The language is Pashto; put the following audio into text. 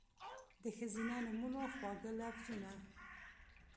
د ښځېنه نومونو، خواږه لفظونه